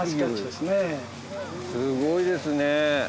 すごいですね！